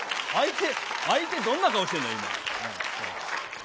相手どんな顔してんだよ、今。